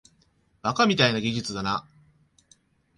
バカみたいな技術だな